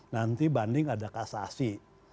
nanti banding ada kasasi